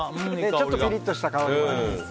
ちょっとピリッとした香りです。